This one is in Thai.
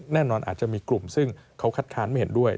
แน่นอนอาจจะมีกลุ่มซึ่งเขาคัดค้านไม่เห็นด้วย